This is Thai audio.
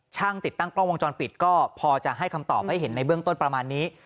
ช่างติดตั้งกล้องวงจรปิดก็พอจะให้คำตอบให้เห็นในเบื้องต้นประมาณนี้